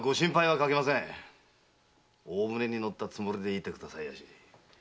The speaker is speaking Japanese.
大船に乗ったつもりでいてくださいまし。